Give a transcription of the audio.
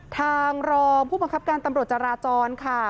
ทางรองผู้บังคับการตำรวจจราจรค่ะ